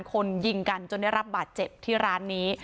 คนยิงกันจนได้รับบาดเจ็บที่ร้านนี้